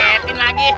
wah kagettin lagi